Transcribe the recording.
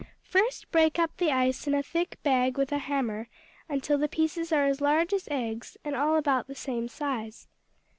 First break up the ice in a thick bag with a hammer until the pieces are as large as eggs, and all about the same size.